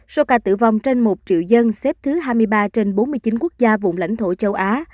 số ca tử vong trên một triệu dân xếp thứ hai mươi ba trên bốn mươi chín quốc gia vùng lãnh thổ châu á